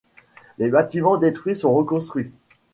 Les bâtiments détruits sont reconstruits.